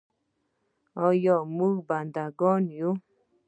آیا موږ بنده ګان یو؟